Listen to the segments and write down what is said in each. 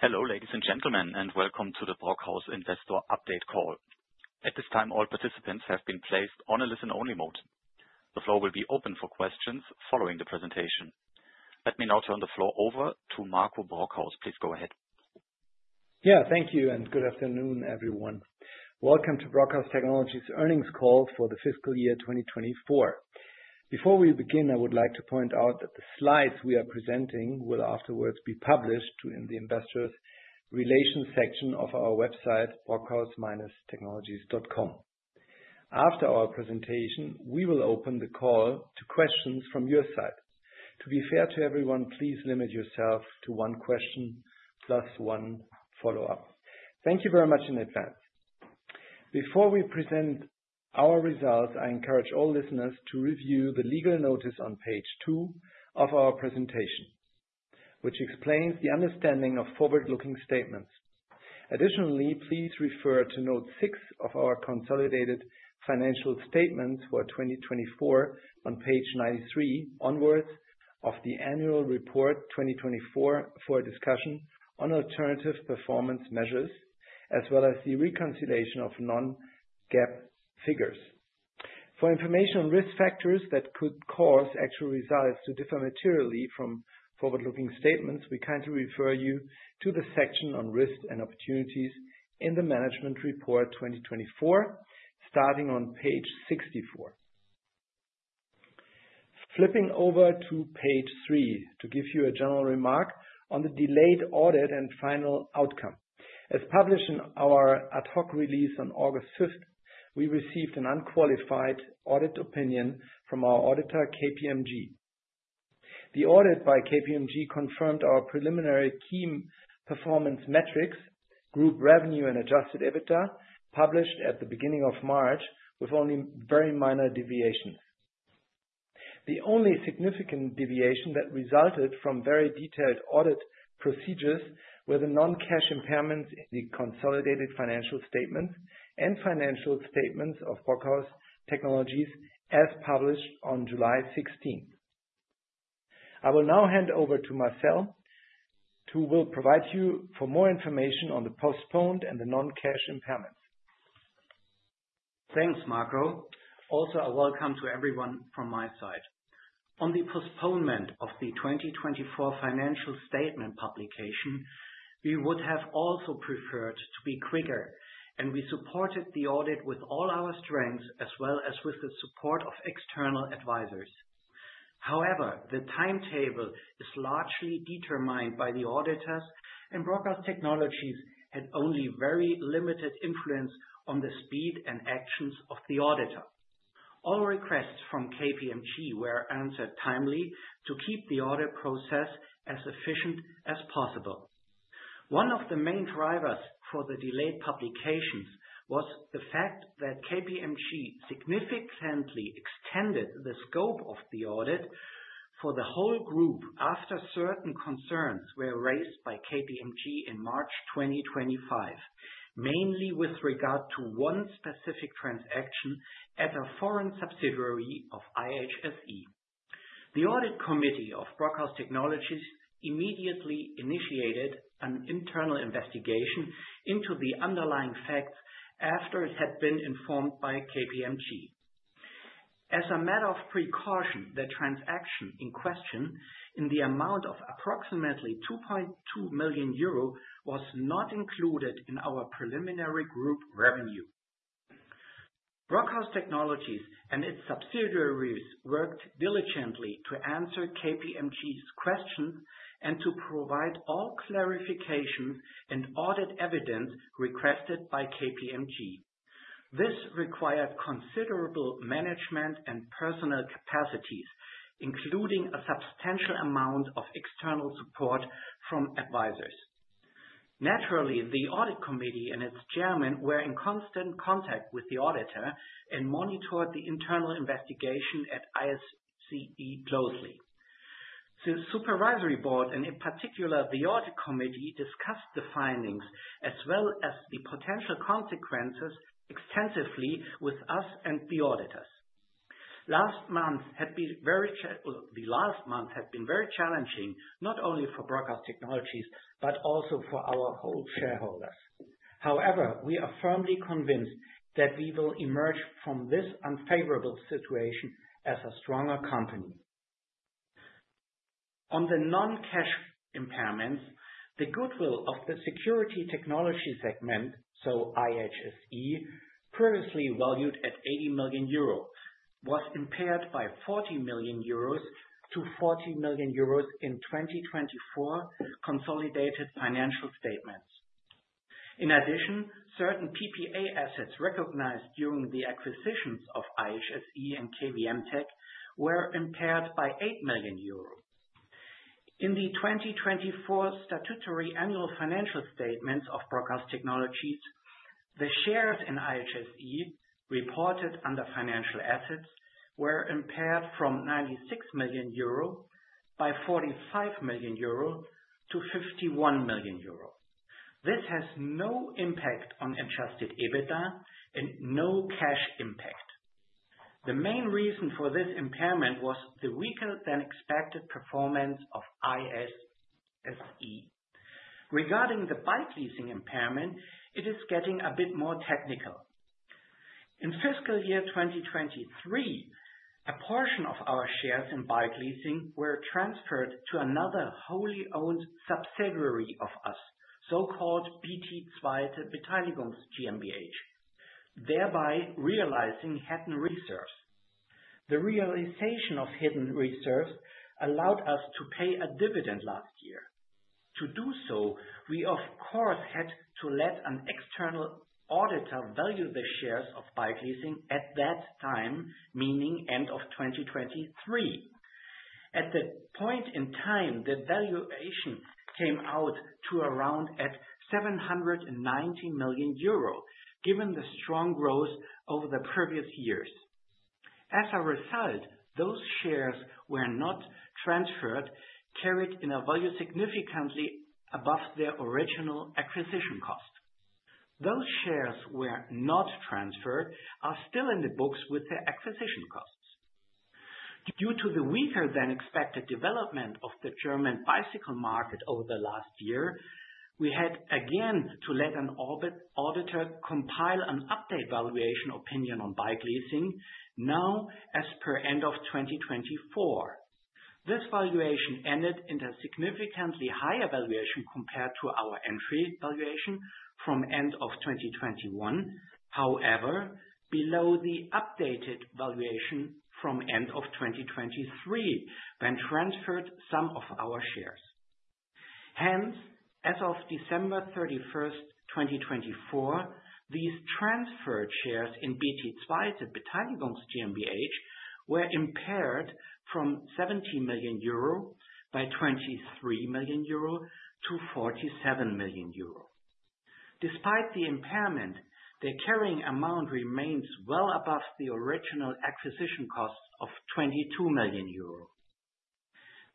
Hello, ladies and gentlemen, and welcome to the Brockhaus Investor Update Call. At this time, all participants have been placed on a listen-only mode. The floor will be open for questions following the presentation. Let me now turn the floor over to Marco Brockhaus. Please go ahead. Yeah, thank you, and good afternoon, everyone. Welcome to Brockhaus Technologies' earnings call for the fiscal year 2024. Before we begin, I would like to point out that the slides we are presenting will afterwards be published in the Investors Relations section of our website, brockhaus-technologies.com. After our presentation, we will open the call to questions from your side. To be fair to everyone, please limit yourself to one question plus one follow-up. Thank you very much in advance. Before we present our results, I encourage all listeners to review the legal notice on page 2 of our presentation, which explains the understanding of forward-looking statements. Additionally, please refer to note six of our consolidated financial statements for 2024 on page 93 onwards of the annual report 2024 for a discussion on alternative performance measures, as well as the reconciliation of non-GAAP figures. For information on risk factors that could cause actual results to differ materially from forward-looking statements, we kindly refer you to the section on risk and opportunities in the management report 2024, starting on page 64. Flipping over to page 3 to give you a general remark on the delayed audit and final outcome. As published in our ad hoc release on August 5th, we received an unqualified audit opinion from our auditor, KPMG. The audit by KPMG confirmed our preliminary key performance metrics, group revenue and adjusted EBITDA, published at the beginning of March with only very minor deviations. The only significant deviation that resulted from very detailed audit procedures were the non-cash impairments in the consolidated financial statements and financial statements of Brockhaus Technologies, as published on July 16th. I will now hand over to Marcel, who will provide you with more information on the postponed and the non-cash impairments. Thanks, Marco. Also, a welcome to everyone from my side. On the postponement of the 2024 financial statement publication, we would have also preferred to be quicker, and we supported the audit with all our strengths, as well as with the support of external advisors. However, the timetable is largely determined by the auditors, and Brockhaus Technologies had only very limited influence on the speed and actions of the auditor. All requests from KPMG were answered timely to keep the audit process as efficient as possible. One of the main drivers for the delayed publications was the fact that KPMG significantly extended the scope of the audit for the whole group after certain concerns were raised by KPMG in March 2025, mainly with regard to one specific transaction at a foreign subsidiary of IHSE. The Audit Committee of Brockhaus Technologies immediately initiated an internal investigation into the underlying facts after it had been informed by KPMG. As a matter of precaution, the transaction in question in the amount of approximately €2.2 million was not included in our preliminary group revenue. Brockhaus Technologies and its subsidiaries worked diligently to answer KPMG's questions and to provide all clarification and audit evidence requested by KPMG. This required considerable management and personal capacities, including a substantial amount of external support from advisors. Naturally, the Audit Committee and its chairman were in constant contact with the auditor and monitored the internal investigation at IHSE closely. The supervisory board, and in particular, the Audit Committee, discussed the findings as well as the potential consequences extensively with us and the auditors. Last month had been very challenging, not only for Brockhaus Technologies but also for our whole shareholders. However, we are firmly convinced that we will emerge from this unfavorable situation as a stronger company. On the non-cash impairments, the goodwill of the Security Technology segment, so IHSE, previously valued at €80 million, was impaired by €40 million to €40 million in 2024 consolidated financial statements. In addition, certain TPA assets recognized during the acquisitions of IHSE and KVMTech were impaired by €8 million. In the 2024 statutory annual financial statements of Brockhaus Technologie, the shares in IHSE reported under financial assets were impaired from €96 million by €45 million to €51 million. This has no impact on adjusted EBITDA and no cash impact. The main reason for this impairment was the weaker than expected performance of IHSE. Regarding the Bikeleasing impairment, it is getting a bit more technical. In fiscal year 2023, a portion of our shares in were transferred to another wholly owned subsidiary of us, so-called BT Zweite Beteiligungs GmbH, thereby realizing hidden reserves. The realization of hidden reserves allowed us to pay a dividend last year. To do so, we, of course, had to let an external auditor value the shares of Bikeleasing at that time, meaning end of 2023. At that point in time, the valuation came out to around €790 million, given the strong growth over the previous years. As a result, those shares were not transferred, carried in a value significantly above their original acquisition cost. Those shares were not transferred, are still in the books with their acquisition costs. Due to the weaker than expected development of the German bicycle market over the last year, we had again to let an auditor compile an updated valuation opinion on Bikeleasing, now as per end of 2024. This valuation ended in a significantly higher valuation compared to our entry valuation from end of 2021, however, below the updated valuation from end of 2023 when transferred some of our shares. Hence, as of December 31, 2024, these transferred shares in BT Zweite Beteiligungs GmbH were impaired from €70 million by €23 million to €47 million. Despite the impairment, the carrying amount remains well above the original acquisition cost of €22 million.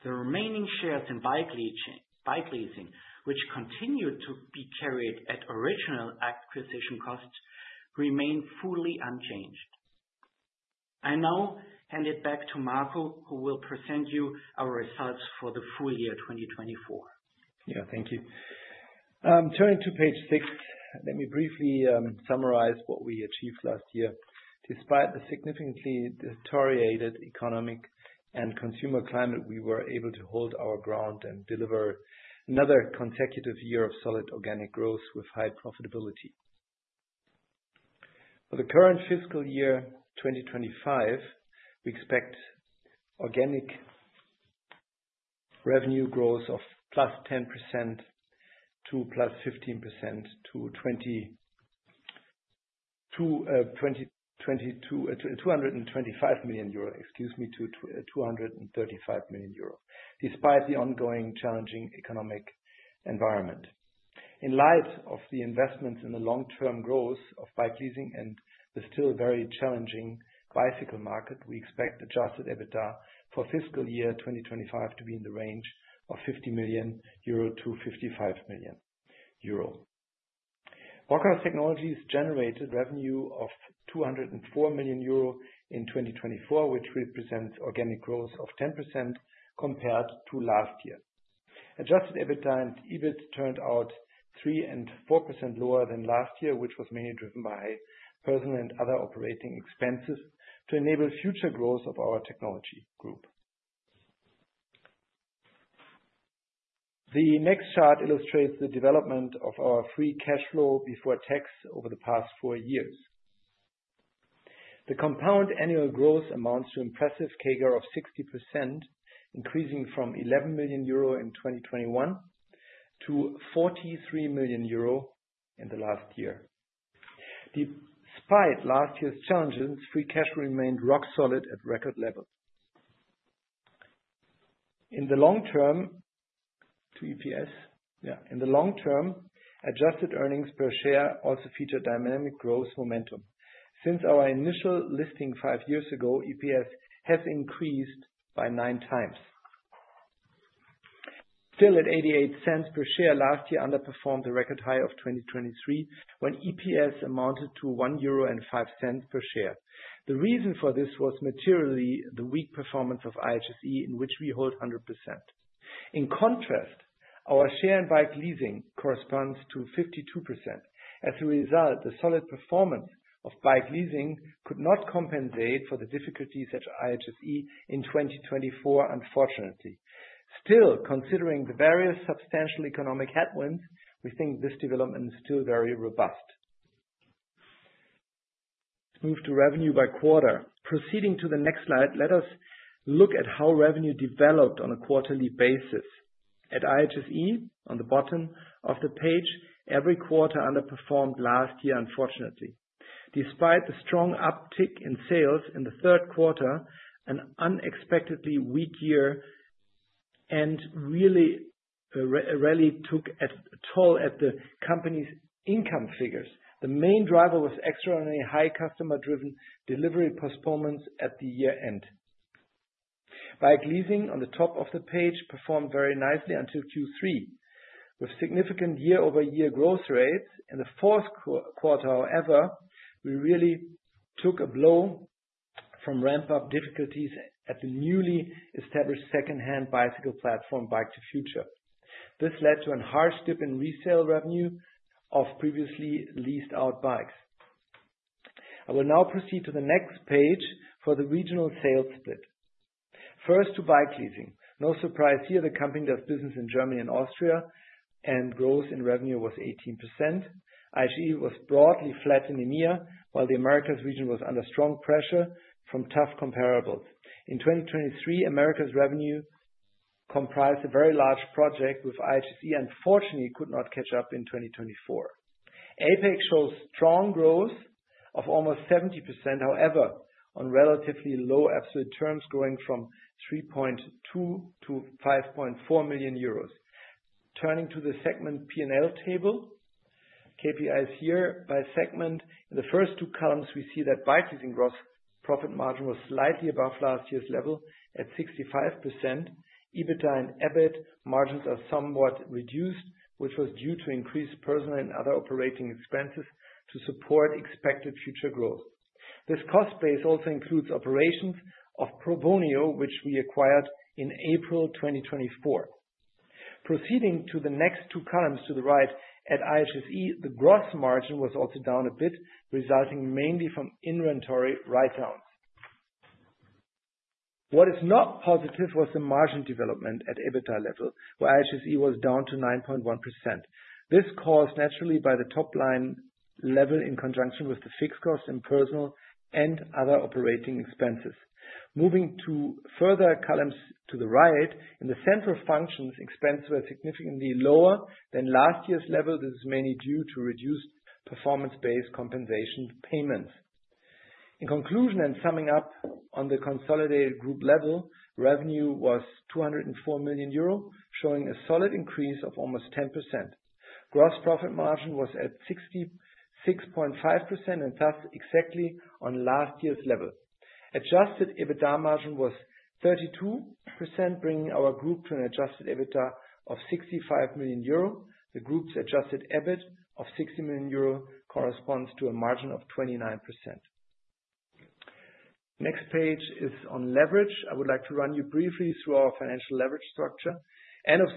The remaining shares in Bikeleasing, which continue to be carried at original acquisition costs, remain fully unchanged. I now hand it back to Marco, who will present you our results for the full year 2024. Thank you. Turning to page six, let me briefly summarize what we achieved last year. Despite the significantly deteriorated economic and consumer climate, we were able to hold our ground and deliver another consecutive year of solid organic growth with high profitability. For the current fiscal year 2025, we expect organic revenue growth of +10% to +15% to €225 million, excuse me, to €235 million, despite the ongoing challenging economic environment. In light of the investments in the long-term growth of Bikeleasing and the still very challenging bicycle market, we expect adjusted EBITDA for fiscal year 2025 to be in the range of €50 million-€55 million. Brockhaus Technologies generated revenue of €204 million in 2024, which represents organic growth of 10% compared to last year. Adjusted EBITDA and EBIT turned out 3% and 4% lower than last year, which was mainly driven by personnel and other operating expenses to enable future growth of our technology group. The next chart illustrates the development of our free cash flow before tax over the past four years. The compound annual growth amounts to an impressive CAGR of 60%, increasing from €11 million in 2021 to €43 million in the last year. Despite last year's challenges, free cash remained rock solid at record level. In the long term, to EPS, in the long term, adjusted earnings per share also feature dynamic growth momentum. Since our initial listing five years ago, EPS has increased by nine times. Still, at €0.88 per share, last year underperformed the record high of 2023 when EPS amounted to €1.05 per share. The reason for this was materially the weak performance of IHSE, in which we hold 100%. In contrast, our share in Bikeleasing corresponds to 52%. As a result, the solid performance of Bikeleasing could not compensate for the difficulties at IHSE in 2024, unfortunately. Still, considering the various substantial economic headwinds, we think this development is still very robust. Move to revenue by quarter. Proceeding to the next slide, let us look at how revenue developed on a quarterly basis. At IHSE, on the bottom of the page, every quarter underperformed last year, unfortunately. Despite the strong uptick in sales in the third quarter, an unexpectedly weak year really took a toll at the company's income figures. The main driver was extraordinarily high customer-driven delivery postponements at the year-end. Bikeleasing, on the top of the page, performed very nicely until Q3, with significant year-over-year growth rates. In the fourth quarter, however, we really took a blow from ramp-up difficulties at the newly established second-hand bicycle platform, Bike2Future. This led to a harsh dip in resale revenue of previously leased-out bikes. I will now proceed to the next page for the regional sales split. First to Bikeleasing. No surprise here, the company does business in Germany and Austria, and growth in revenue was 18%. IHSE was broadly flat in EMEA, while the Americas region was under strong pressure from tough comparables. In 2023, Americas revenue comprised a very large project, which IHSE, unfortunately, could not catch up in 2024. ApEx shows strong growth of almost 70%, however, on relatively low absolute terms, growing from €3.2 million to €5.4 million. Turning to the segment P&L table, KPIs here by segment. In the first two columns, we see that Bikeleasing gross profit margin was slightly above last year's level at 65%. EBITDA and EBIT margins are somewhat reduced, which was due to increased personnel and other operating expenses to support expected future growth. This cost base also includes operations of Probonio, which we acquired in April 2024. Proceeding to the next two columns to the right, at IHSE, the gross margin was also down a bit, resulting mainly from inventory write-downs. What is not positive was the margin development at EBITDA level, where IHSE was down to 9.1%. This was caused naturally by the top line level in conjunction with the fixed costs in personnel and other operating expenses. Moving to further columns to the right, in the central functions, expenses were significantly lower than last year's level. This is mainly due to reduced performance-based compensation payments. In conclusion and summing up, on the consolidated group level, revenue was €204 million, showing a solid increase of almost 10%. Gross profit margin was at 66.5% and thus exactly on last year's level. Adjusted EBITDA margin was 32%, bringing our group to an adjusted EBITDA of €65 million. The group's adjusted EBIT of €60 million corresponds to a margin of 29%. Next page is on leverage. I would like to run you briefly through our financial leverage structure. End of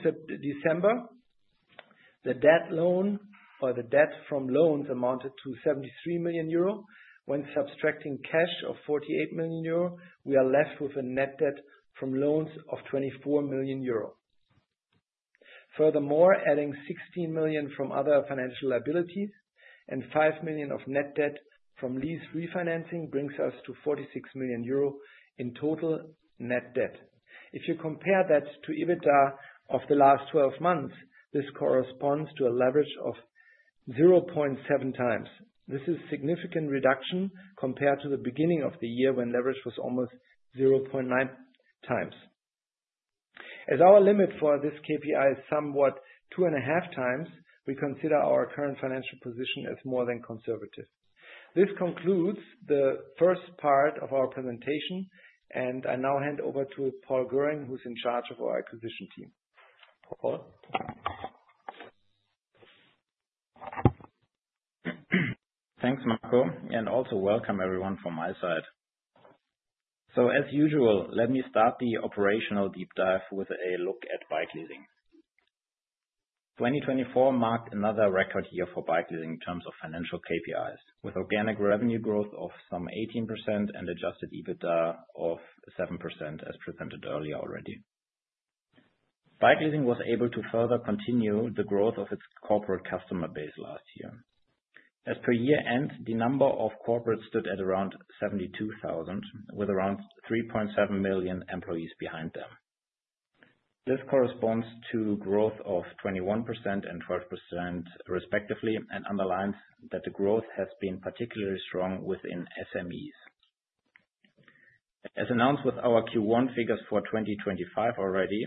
December, the debt from loans amounted to €73 million. When subtracting cash of €48 million, we are left with a net debt from loans of €24 million. Furthermore, adding €16 million from other financial liabilities and €5 million of net debt from lease refinancing brings us to €46 million in total net debt. If you compare that to EBITDA of the last 12 months, this corresponds to a leverage of 0.7x. This is a significant reduction compared to the beginning of the year when leverage was almost 0.9x. As our limit for this KPI is somewhat 2.5x, we consider our current financial position as more than conservative. This concludes the first part of our presentation, and I now hand over to Paul Göring, who's in charge of our acquisition team. Paul? Thanks, Marco, and also welcome everyone from my side. As usual, let me start the operational deep dive with a look at Bikeleasing. 2024 marked another record year for Bikeleasing in terms of financial KPIs, with organic revenue growth of some 18% and adjusted EBITDA of 7% as presented earlier already. Bikeleasing was able to further continue the growth of its corporate customer base last year. As per year-end, the number of corporates stood at around 72,000, with around 3.7 million employees behind them. This corresponds to growth of 21% and 12% respectively and underlines that the growth has been particularly strong within SMEs. As announced with our Q1 figures for 2025 already,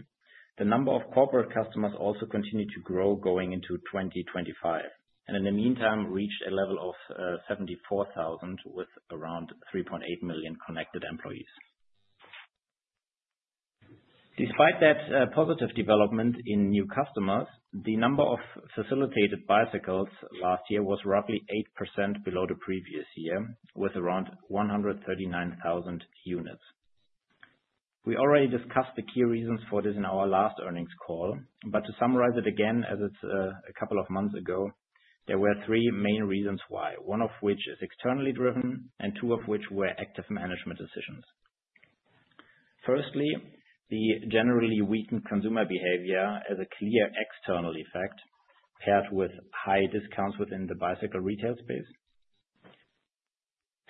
the number of corporate customers also continued to grow going into 2025, and in the meantime, reached a level of 74,000 with around 3.8 million connected employees. Despite that positive development in new customers, the number of facilitated bicycles last year was roughly 8% below the previous year, with around 139,000 units. We already discussed the key reasons for this in our last earnings call, but to summarize it again, as it's a couple of months ago, there were three main reasons why, one of which is externally driven and two of which were active management decisions. Firstly, the generally weakened consumer behavior as a clear external effect, paired with high discounts within the bicycle retail space.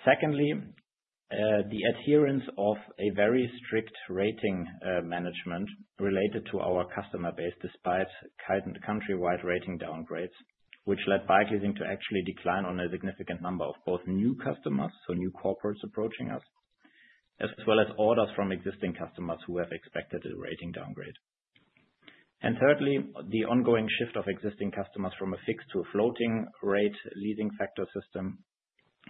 Secondly, the adherence of a very strict rating management related to our customer base, despite countrywide rating downgrades, which led Bikeleasing to actually decline on a significant number of both new customers, so new corporates approaching us, as well as orders from existing customers who have expected a rating downgrade. Thirdly, the ongoing shift of existing customers from a fixed to a floating rate leading factor system,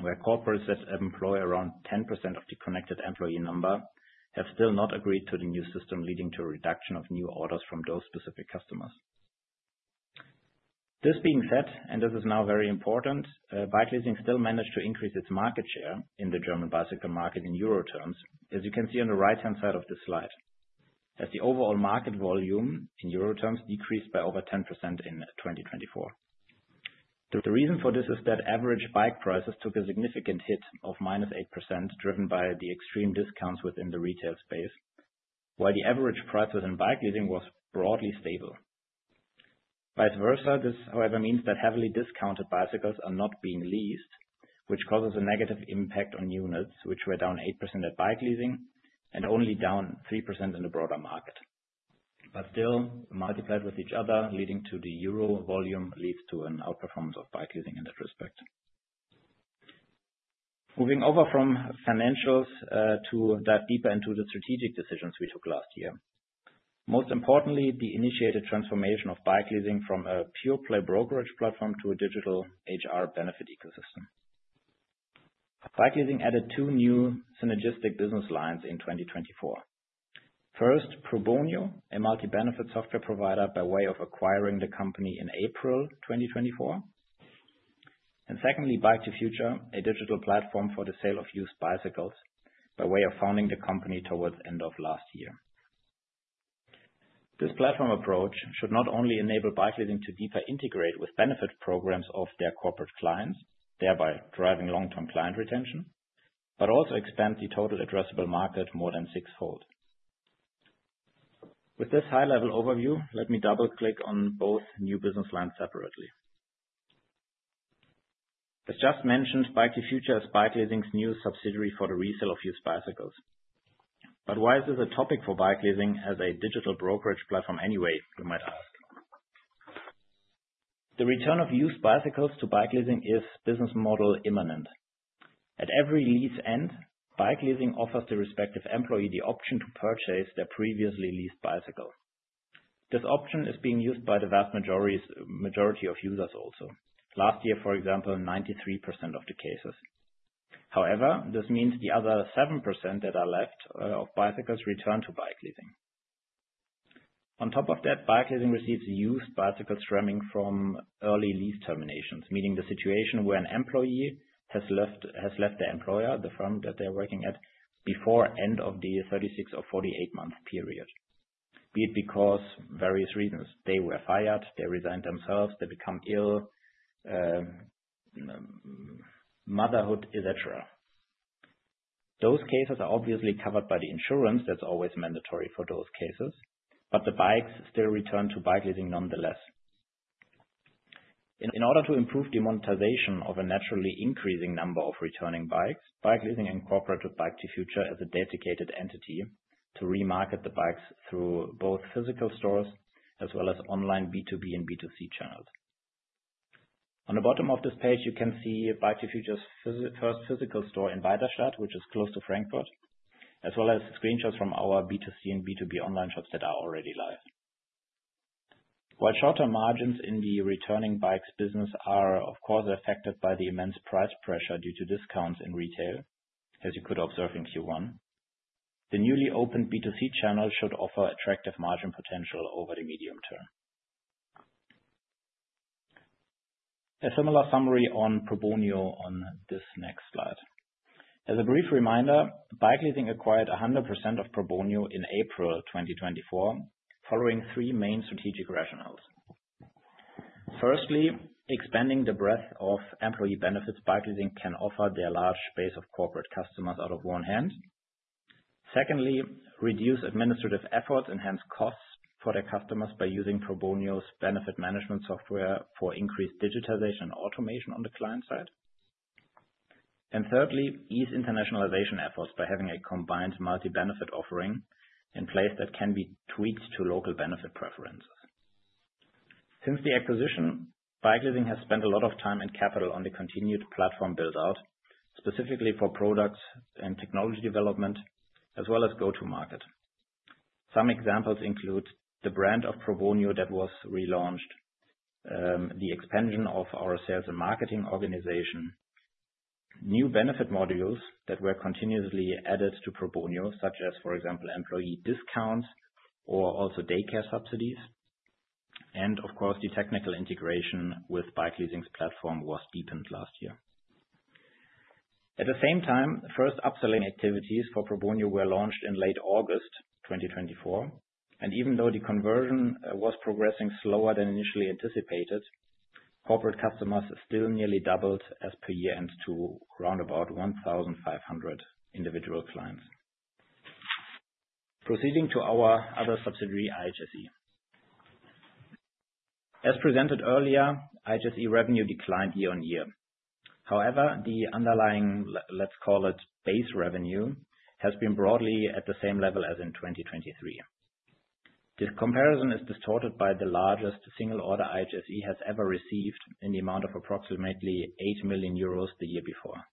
where corporates that employ around 10% of the connected employee number have still not agreed to the new system, leading to a reduction of new orders from those specific customers. This being said, and this is now very important, Bikeleasing still managed to increase its market share in the German bicycle market in Euro terms, as you can see on the right-hand side of this slide, as the overall market volume in Euro terms decreased by over 10% in 2024. The reason for this is that average bike prices took a significant hit of -8%, driven by the extreme discounts within the retail space, while the average price within Bikeleasing was broadly stable. Vice versa, this, however, means that heavily discounted bicycles are not being leased, which causes a negative impact on units, which were down 8% at Bikeleasing and only down 3% in the broader market. Still, multiplied with each other, leading to the Euro volume leads to an outperformance of Bikeleasing in that respect. Moving over from financials to dive deeper into the strategic decisions we took last year. Most importantly, the initiated transformation of Bikeleasing from a pure play brokerage platform to a digital HR benefit ecosystem. Bikeleasing added two new synergistic business lines in 2024. First, Probonio, a multi-benefit software provider by way of acquiring the company in April 2024. Secondly, Bike2Future, a digital platform for the sale of used bicycles by way of founding the company towards the end of last year. This platform approach should not only enable Bikeleasing to deeper integrate with benefit programs of their corporate clients, thereby driving long-term client retention, but also expand the total addressable market more than sixfold. With this high-level overview, let me double-click on both new business lines separately. As just mentioned, Bike2Future is Bikeleasing's new subsidiary for the resale of used bicycles. Why is this a topic for Bikeleasing as a digital brokerage platform anyway, you might ask? The return of used bicycles to Bikeleasing is business model immanent. At every lease end, Bikeleasing offers the respective employee the option to purchase their previously leased bicycle. This option is being used by the vast majority of users also. Last year, for example, 93% of the cases. However, this means the other 7% that are left of bicycles return to Bikeleasing. On top of that, Bikeleasing receives used bicycles stemming from early lease terminations, meaning the situation where an employee has left their employer, the firm that they're working at, before the end of the 36 or 48-month period, be it because of various reasons. They were fired, they resigned themselves, they become ill, motherhood, etc. Those cases are obviously covered by the insurance that's always mandatory for those cases, but the bikes still return to Bikeleasing nonetheless. In order to improve the monetization of a naturally increasing number of returning bikes, Bikeleasing incorporated Bike2Future as a dedicated entity to remarket the bikes through both physical stores as well as online B2B and B2C channels. On the bottom of this page, you can see Bike2Future's first physical store in Weiderstaedt, which is close to Frankfurt, as well as screenshots from our B2C and B2B online shops that are already live. While shorter margins in the returning bikes' business are, of course, affected by the immense price pressure due to discounts in retail, as you could observe in Q1, the newly opened B2C channel should offer attractive margin potential over the medium term. A similar summary on Probonio on this next slide. As a brief reminder, Bikeleasing acquired 100% of Probonio in April 2024, following three main strategic rationales. Firstly, expanding the breadth of employee benefits Bikeleasing can offer their large base of corporate customers out of one hand. Secondly, reduce administrative efforts and hence costs for their customers by using Probonio's benefit management software for increased digitization and automation on the client side. Thirdly, ease internationalization efforts by having a combined multi-benefit offering in place that can be tweaked to local benefit preference. Since the acquisition, Bikeleasing has spent a lot of time and capital on the continued platform build-out, specifically for products and technology development, as well as go-to-market. Some examples include the brand of Probonio that was relaunched, the expansion of our sales and marketing organization, new benefit modules that were continuously added to Probonio, such as, for example, employee discounts or also daycare subsidies. Of course, the technical integration with Bikeleasing's platform was deepened last year. At the same time, the first upselling activities for Probonio were launched in late August 2024. Even though the conversion was progressing slower than initially anticipated, corporate customers still nearly doubled as per year end to round about 1,500 individual clients. Proceeding to our other subsidiary, IHSE. As presented earlier, IHSE revenue declined year on year. However, the underlying, let's call it, base revenue has been broadly at the same level as in 2023. The comparison is distorted by the largest single order IHSE has ever received in the amount of approximately €8 million the year before.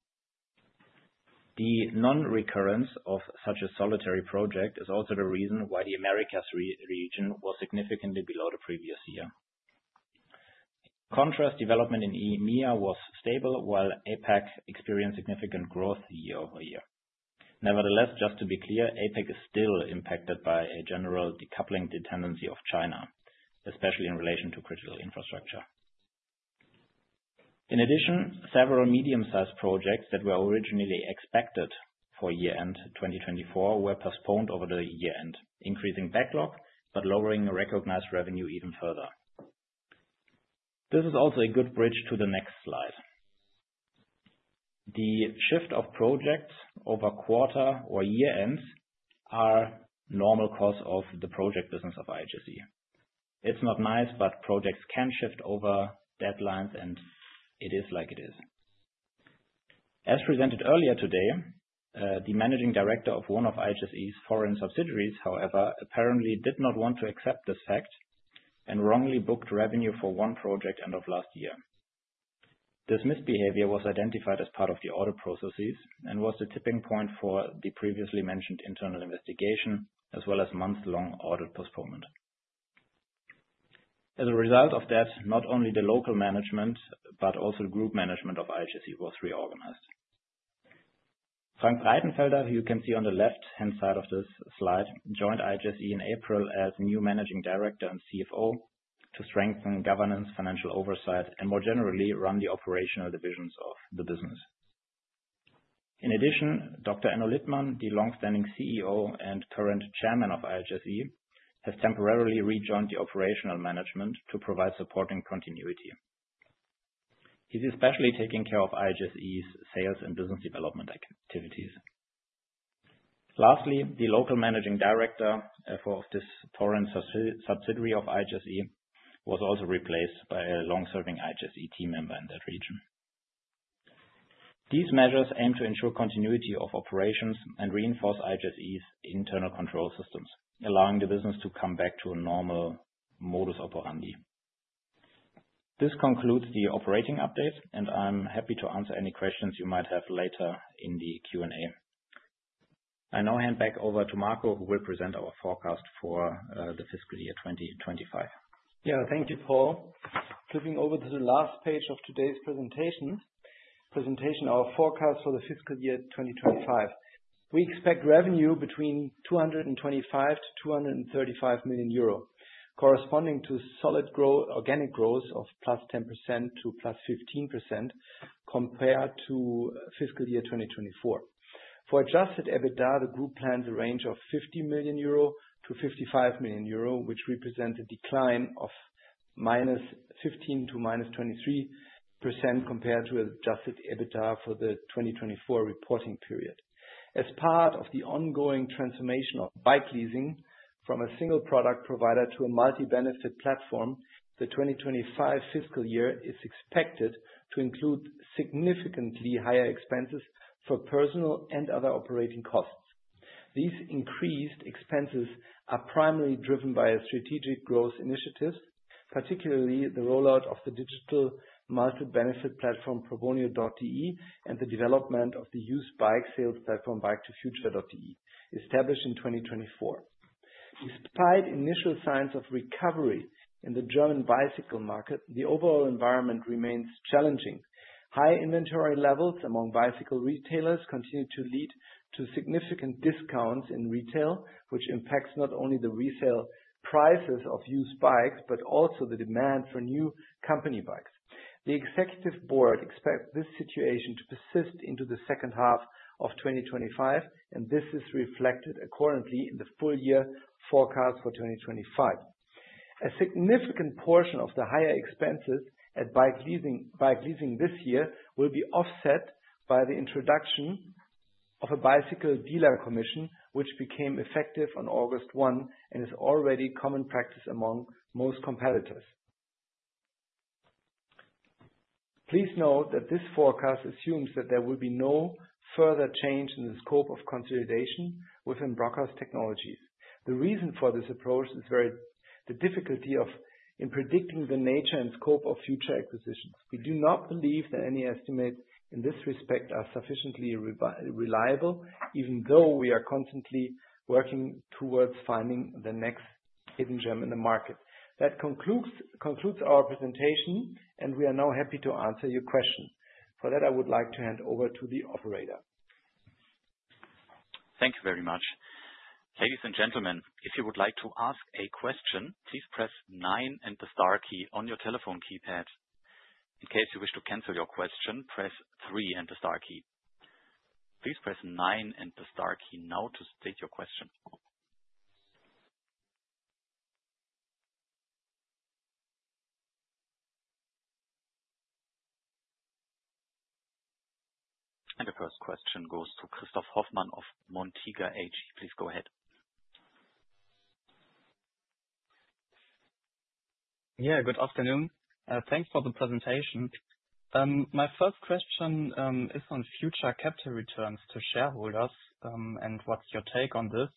The non-recurrence of such a solitary project is also the reason why the Americas region was significantly below the previous year. Contrast development in EMEA was stable, while APAC experienced significant growth year-over-year. Nevertheless, just to be clear, APAC is still impacted by a general decoupling dependency of China, especially in relation to critical infrastructure. In addition, several medium-sized projects that were originally expected for year-end 2024 were postponed over the year-end, increasing backlog but lowering recognized revenue even further. This is also a good bridge to the next slide. The shift of projects over quarter or year ends are the normal course of the project business of IHSE. It's not nice, but projects can shift over deadlines, and it is like it is. As presented earlier today, the Managing Director of one of IHSE's foreign subsidiaries, however, apparently did not want to accept this fact and wrongly booked revenue for one project end of last year. This misbehavior was identified as part of the audit processes and was the tipping point for the previously mentioned internal investigation, as well as month-long audit postponement. As a result of that, not only the local management but also the Group Management of IHSE was reorganized. Frank Breitenfelder, you can see on the left-hand side of this slide, joined IHSE in April as new Managing Director and CFO to strengthen governance, financial oversight, and more generally run the operational divisions of the business. In addition, Dr. Enno Littmann, the longstanding CEO and current Chairman of IHSE, has temporarily rejoined the operational management to provide support and continuity. He's especially taking care of IHSE's sales and business development activities. Lastly, the local Managing Director for this foreign subsidiary of IHSE was also replaced by a long-serving IHSE team member in that region. These measures aim to ensure continuity of operations and reinforce IHSE's internal control systems, allowing the business to come back to a normal modus operandi. This concludes the operating update, and I'm happy to answer any questions you might have later in the Q&A. I now hand back over to Marco, who will present our forecast for the fiscal year 2025. Yeah, thank you, Paul. Flipping over to the last page of today's presentation, our forecast for the fiscal year 2025. We expect revenue between €225 million-€235 million, corresponding to solid growth, organic growth of +10% to +15% compared to fiscal year 2024. For adjusted EBITDA, the group plans a range of €50 million-€55 million, which represents a decline of -15% to -23% compared to adjusted EBITDA for the 2024 reporting period. As part of the ongoing transformation of Bikeleasing from a single product provider to a multi-benefit platform, the 2025 fiscal year is expected to include significantly higher expenses for personnel and other operating costs. These increased expenses are primarily driven by strategic growth initiatives, particularly the rollout of the digital multi-benefit platform Probonio and the development of the used bike sales platform Bike2Future, established in 2024. Despite initial signs of recovery in the German bicycle market, the overall environment remains challenging. High inventory levels among bicycle retailers continue to lead to significant discounts in retail, which impacts not only the resale prices of used bikes but also the demand for new company bikes. The Executive Board expects this situation to persist into the second half of 2025, and this is reflected accordingly in the full year forecast for 2025. A significant portion of the higher expenses at Bikeleasing this year will be offset by the introduction of a bicycle dealer commission, which became effective on August 1 and is already common practice among most competitors. Please note that this forecast assumes that there will be no further change in the scope of consolidation within Brockhaus Technologies. The reason for this approach is the difficulty in predicting the nature and scope of future acquisitions. We do not believe that any estimates in this respect are sufficiently reliable, even though we are constantly working towards finding the next hidden gem in the market. That concludes our presentation, and we are now happy to answer your question. For that, I would like to hand over to the operator. Thank you very much. Ladies and gentlemen, if you would like to ask a question, please press nine and the star key on your telephone keypad. In case you wish to cancel your question, press three and the star key. Please press nine and the star key now to state your question. The first question goes to Christoph Hoffmann of Montega AG. Please go ahead. Good afternoon. Thanks for the presentation. My first question is on future capital returns to shareholders and what's your take on this?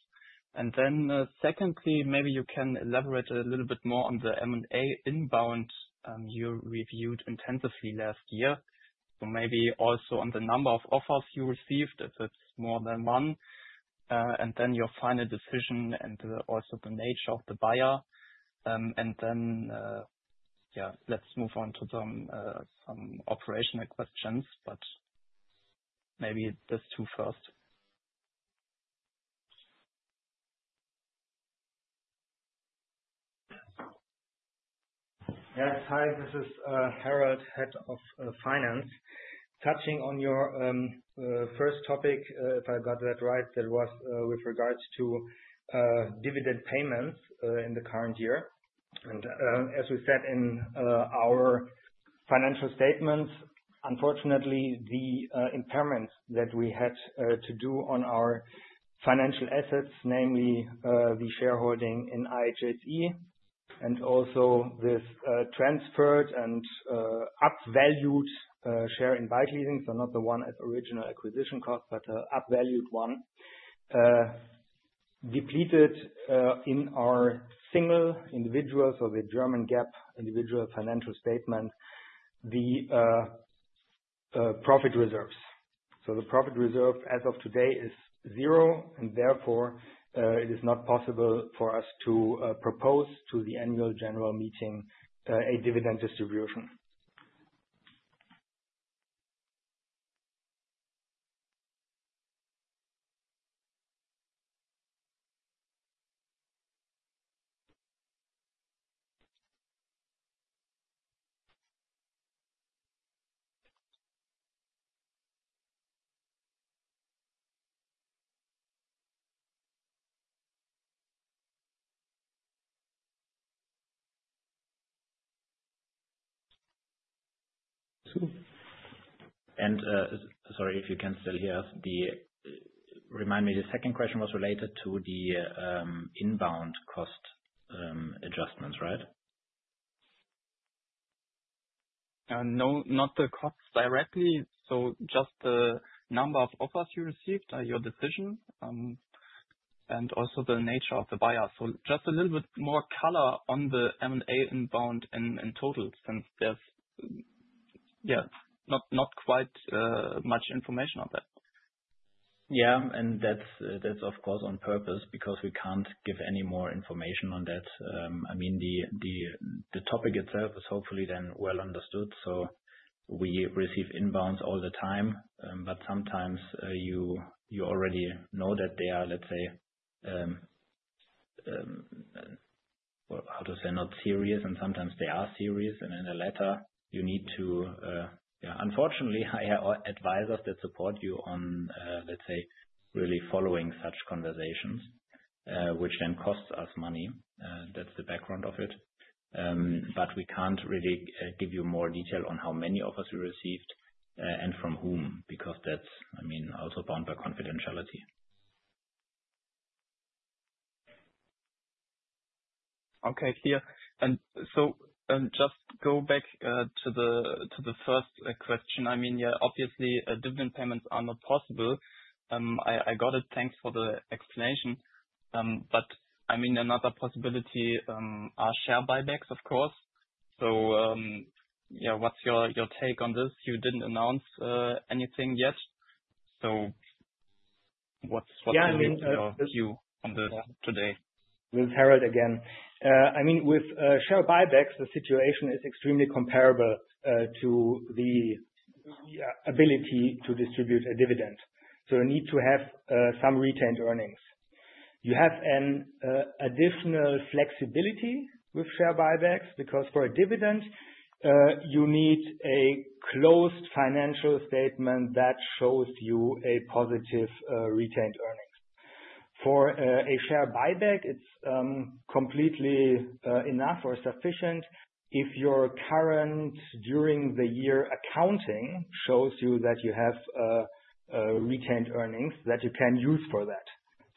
Secondly, maybe you can elaborate a little bit more on the M&A inbound you reviewed intensively last year, or maybe also on the number of offers you received, if it's more than one, and then your final decision and also the nature of the buyer. Let's move on to some operational questions, but maybe these two first. Yes, hi, this is Harold, Head of Finance. Touching on your first topic, if I got that right, that was with regards to dividend payments in the current year. As we said in our financial statements, unfortunately, the impairments that we had to do on our financial assets, namely the shareholding in IHSE, and also this transferred and up-valued share in Bikeleasing, not the one as original acquisition cost, but an up-valued one, depleted in our single individual, the German GAAP individual financial statement, the profit reserves. The profit reserve as of today is zero, and therefore, it is not possible for us to propose to the annual general meeting a dividend distribution. Sorry if you can still hear us. Remind me, the second question was related to the inbound cost adjustments, right? No, not the costs directly. Just the number of offers you received and your decision, and also the nature of the buyer. Just a little bit more color on the M&A inbound in total since there's not quite much information on that. Yeah, that's, of course, on purpose because we can't give any more information on that. I mean, the topic itself is hopefully then well understood. We receive inbounds all the time, but sometimes you already know that they are, let's say, not serious, and sometimes they are serious, and in a letter, you need to, unfortunately, hire advisors that support you on, let's say, really following such conversations, which then costs us money. That's the background of it. We can't really give you more detail on how many offers you received and from whom, because that's also bound by confidentiality. Okay, clear. Just to go back to the first question, I mean, yeah, obviously, dividend payments are not possible. I got it. Thanks for the explanation. I mean, another possibility are share buybacks, of course. What's your take on this? You didn't announce anything yet. What's your view on this today? With Harald again. With share buybacks, the situation is extremely comparable to the ability to distribute a dividend. You need to have some retained earnings. You have additional flexibility with share buybacks because for a dividend, you need a closed financial statement that shows you a positive retained earning. For a share buyback, it is completely enough or sufficient if your current, during the year, accounting shows you that you have retained earnings that you can use for that.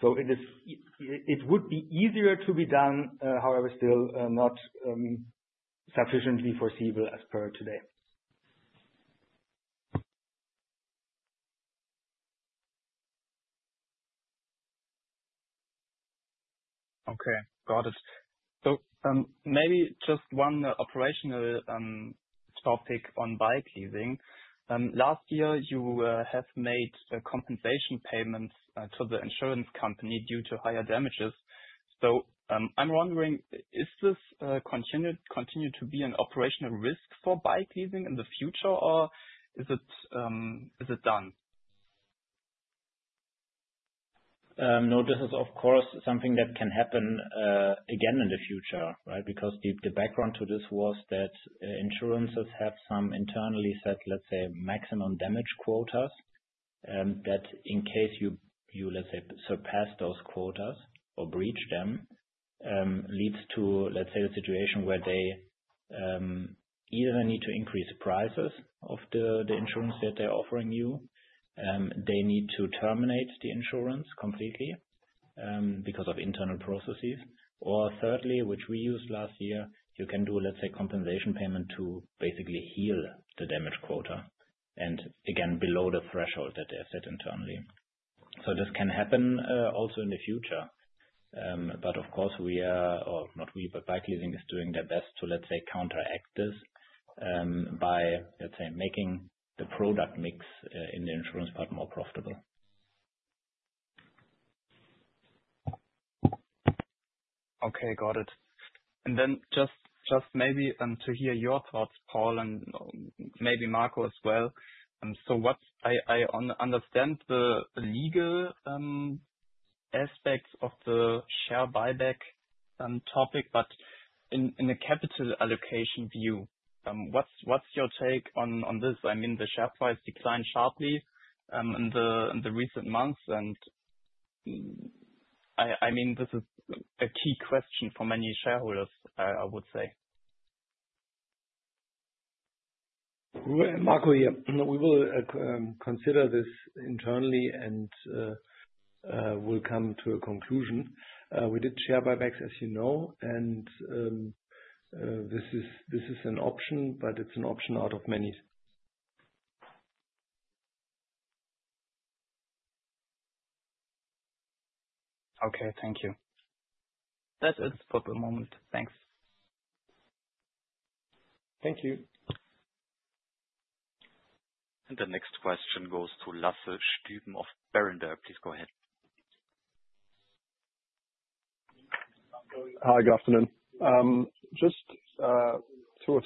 It would be easier to be done, however, still not sufficiently foreseeable as per today. Okay, got it. Maybe just one operational topic on Bikeleasing. Last year, you have made compensation payments to the insurance company due to higher damages. I'm wondering, is this continued to be an operational risk for Bikeleasing in the future, or is it done? No, this is, of course, something that can happen again in the future, right? The background to this was that insurances have some internally set, let's say, maximum damage quotas, that in case you surpass those quotas or breach them, leads to a situation where they either need to increase the prices of the insurance that they're offering you, they need to terminate the insurance completely because of internal processes, or thirdly, which we used last year, you can do a compensation payment to basically heal the damage quota and get again below the threshold that they have set internally. This can happen also in the future. Of course, we are, or not we, but Bikeleasing is doing their best to counteract this by making the product mix in the insurance part more profitable. Okay, got it. Maybe to hear your thoughts, Paul, and maybe Marco as well. I understand the legal aspects of the share buyback topic, but in a capital allocation view, what's your take on this? I mean, the share price declined sharply in the recent months, and I mean, this is a key question for many shareholders, I would say. Marco, yeah, we will consider this internally and we'll come to a conclusion. We did share buybacks, as you know, and this is an option, but it's an option out of many. Okay, thank you. That's it for the moment. Thanks. Thank you. The next question goes to Lasse Stuben of Berenberg. Please go ahead. Hi, good afternoon. Just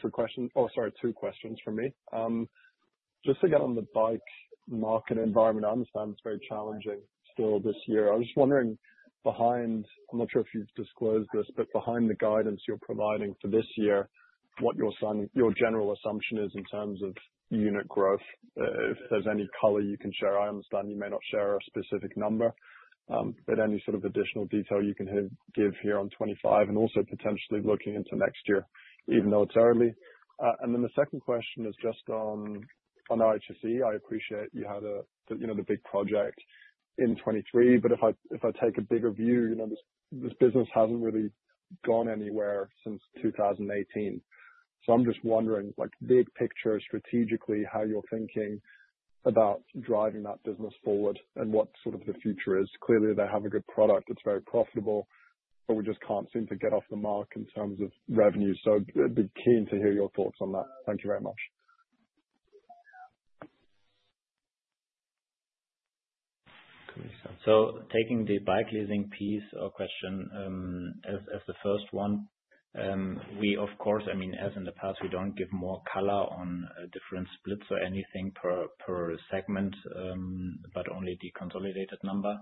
a question. Sorry, two questions from me. To get on the bike market environment, I understand it's very challenging still this year. I was just wondering, I'm not sure if you've disclosed this, but behind the guidance you're providing for this year, what your general assumption is in terms of unit growth, if there's any color you can share. I understand you may not share a specific number, but any additional detail you can give here on 2025 and also potentially looking into next year, even though it's early. The second question is just on IHSE. I appreciate you had the big project in 2023, but if I take a bigger view, this business hasn't really gone anywhere since 2018. I'm just wondering, big picture, strategically, how you're thinking about driving that business forward and what the future is. Clearly, they have a good product. It's very profitable, but we just can't seem to get off the mark in terms of revenue. I'd be keen to hear your thoughts on that. Thank you very much. Taking the Bikeleasing piece or question as the first one, we, of course, as in the past, don't give more color on different splits or anything per segment, but only the consolidated number.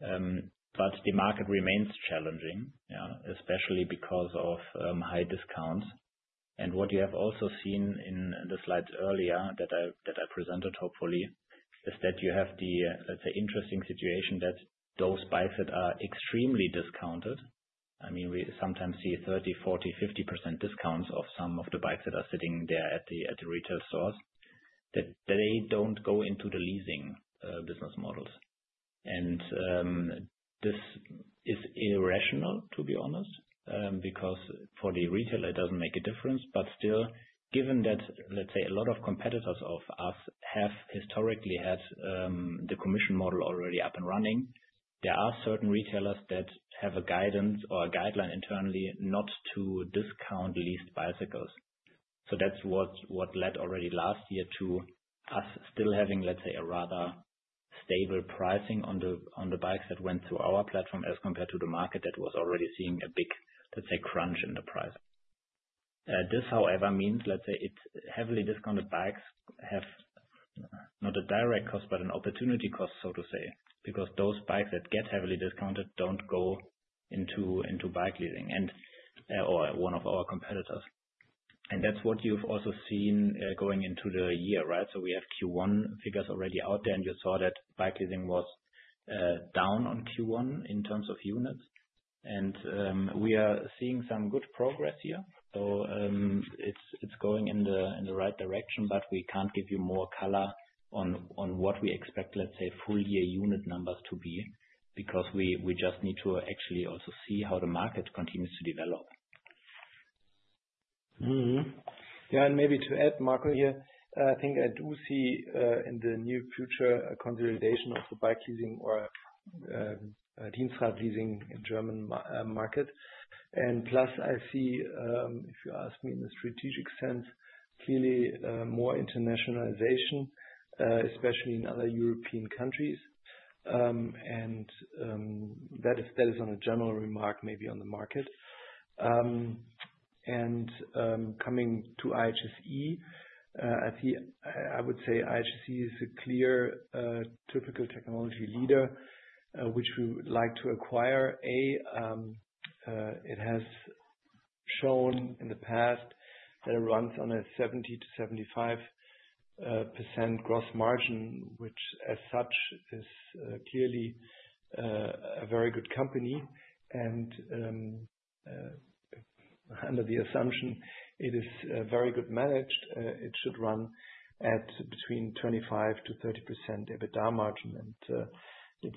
The market remains challenging, especially because of high discounts. What you have also seen in the slides earlier that I presented, hopefully, is that you have the, let's say, interesting situation that those bikes that are extremely discounted, I mean, we sometimes see 30%, 40%, 50% discounts of some of the bikes that are sitting there at the retail stores, that they don't go into the leasing business models. This is irrational, to be honest, because for the retailer, it doesn't make a difference. Still, given that a lot of competitors of ours have historically had the commission model already up and running, there are certain retailers that have a guidance or a guideline internally not to discount leased bicycles. That's what led already last year to us still having a rather stable pricing on the bikes that went through our platform as compared to the market that was already seeing a big crunch in the price. This, however, means heavily discounted bikes have not a direct cost, but an opportunity cost, so to say, because those bikes that get heavily discounted don't go into Bikeleasing or one of our competitors. That's what you've also seen going into the year, right? We have Q1 figures already out there, and you saw that Bikeleasing was down on Q1 in terms of units. We are seeing some good progress here. It's going in the right direction, but we can't give you more color on what we expect full-year unit numbers to be because we just need to actually also see how the market continues to develop. Yeah, and maybe to add, Marco here, I think I do see, in the near future, a consolidation of the bike leasing or Dienstrad leasing in the German market. Plus, I see, if you ask me in the strategic sense, clearly, more internationalization, especially in other European countries. That is on a general remark, maybe on the market. Coming to IHSE, I see, I would say IHSE is a clear, typical technology leader, which we would like to acquire. It has shown in the past that it runs on a 70%-75% gross margin, which as such is, clearly, a very good company. Under the assumption it is very good managed, it should run at between 25%-30% EBITDA margin. It's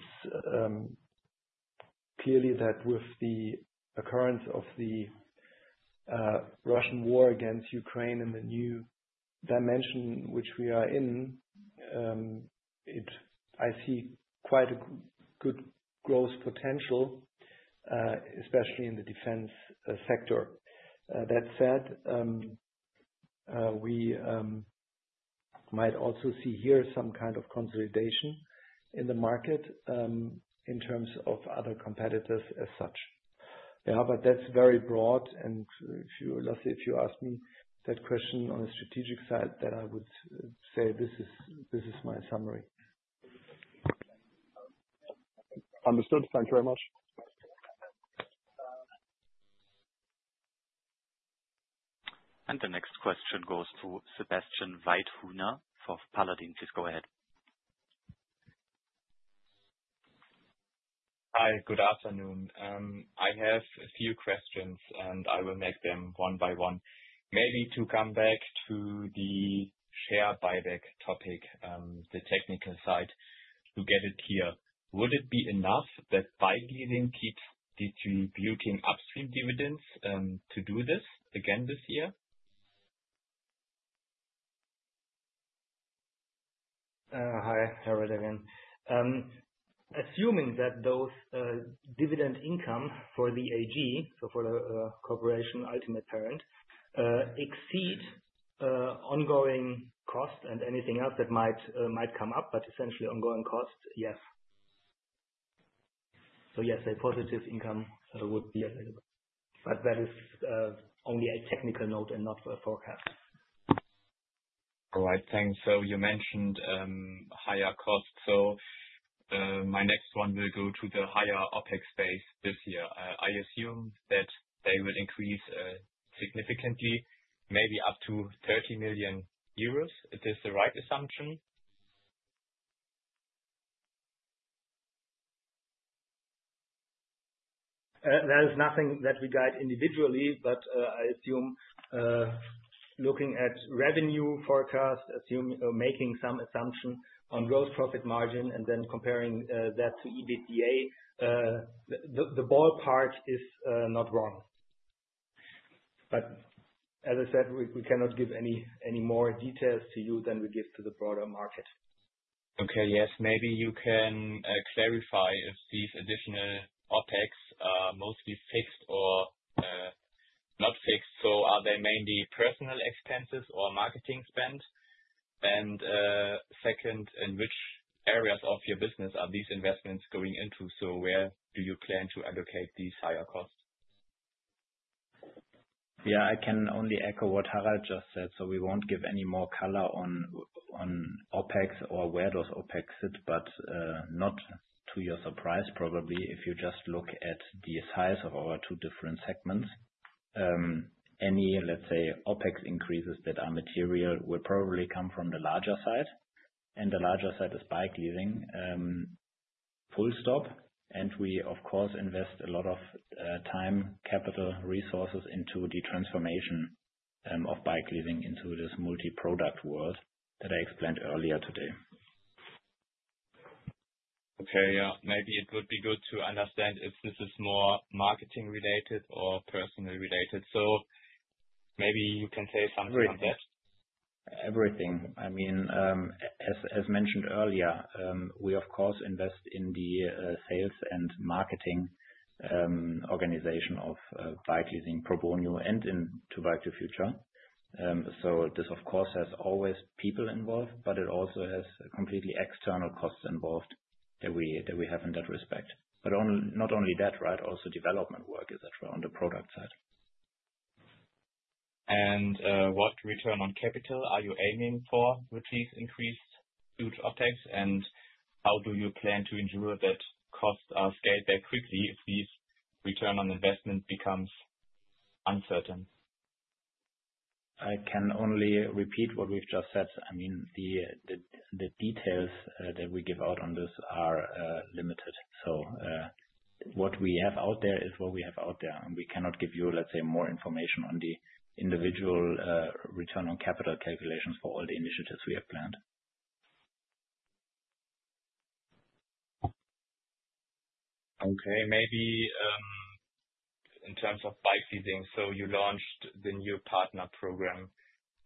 clear that with the occurrence of the Russian war against Ukraine and the new dimension which we are in, I see quite a good growth potential, especially in the defense sector. That said, we might also see here some kind of consolidation in the market, in terms of other competitors as such. Yeah, but that's very broad. If you ask me that question on a strategic side, then I would say this is my summary. Understood. Thank you very much. The next question goes to Sebastian Weithuner for Paladin. Please go ahead. Hi, good afternoon. I have a few questions, and I will make them one by one. Maybe to come back to the share buyback topic, the technical side, to get it clear, would it be enough that Bikeleasing keeps the two looking upstream dividends to do this again this year? Hi, Harold again. Assuming that those dividend income for the AG, so for the Corporation ultimate parent, exceed ongoing cost and anything else that might come up, essentially ongoing cost, yes. Yes, a positive income would be available. That is only a technical note and not a forecast. All right. Thanks. You mentioned higher costs. My next one will go to the higher OpEx base this year. I assume that they will increase significantly, maybe up to €30 million. Is this the right assumption? There's nothing that we got individually. I assume, looking at revenue forecast, assume making some assumption on gross profit margin and then comparing that to EBITDA, the ballpark is not wrong. As I said, we cannot give any more details to you than we give to the broader market. Okay, yes. Maybe you can clarify if these additional OpEx are mostly fixed or not fixed. Are they mainly personnel expenses or marketing spend? In which areas of your business are these investments going into? Where do you plan to allocate these higher costs? Yeah, I can only echo what Harold just said. We won't give any more color on OpEx or where those OpEx sit, but not to your surprise, probably, if you just look at the size of our two different segments. Any, let's say, OpEx increases that are material will probably come from the larger side. The larger side is Bikeleasing. Full stop. We, of course, invest a lot of time, capital, resources into the transformation of Bikeleasing into this multi-product world that I explained earlier today. Okay, maybe it would be good to understand if this is more marketing-related or personally related. Maybe you can say something on that. Everything. I mean, as mentioned earlier, we, of course, invest in the sales and marketing organization of Bikeleasing, Probonio, and in Bike2Future. This, of course, has always people involved, but it also has completely external costs involved that we have in that respect. Not only that, right? Also development work is that we're on the product side. What return on capital are you aiming for with these increased huge OpEx? How do you plan to ensure that costs are scaled back quickly if these return on investment become uncertain? I can only repeat what we've just said. The details that we give out on this are limited. What we have out there is what we have out there. We cannot give you, let's say, more information on the individual return on capital calculations for all the initiatives we have planned. Okay, maybe in terms of Bikeleasing, you launched the new partner program.